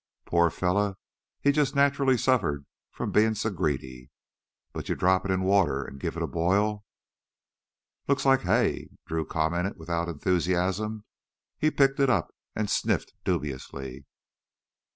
Poor fella, he jus' natchelly suffered from bein' so greedy. But you drop it in water an' give it a boil...." "Looks like hay," Drew commented without enthusiasm. He picked it up and sniffed dubiously.